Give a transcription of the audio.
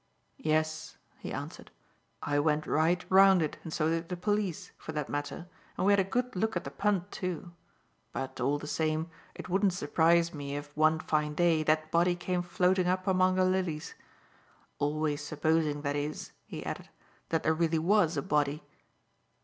"Yes," he answered. "I went right round it, and so did the police, for that matter, and we had a good look at the punt, too. But, all the same, it wouldn't surprise me if, one fine day, that body came floating up among the lilies; always supposing, that is," he added, "that there really was a body."